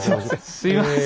すいません。